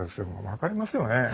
分かりますよねえ？